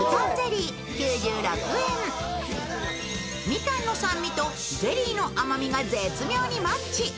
みかんの酸味とゼリーの甘みが絶妙にマッチ。